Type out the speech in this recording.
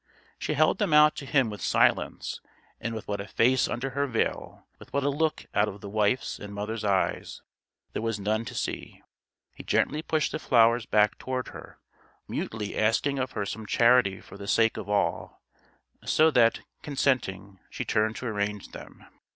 She held them out to him with silence and with what a face under her veil with what a look out of the wife's and mother's eyes there was none to see. He gently pushed the flowers back toward her, mutely asking of her some charity for the sake of all; so that, consenting, she turned to arrange them.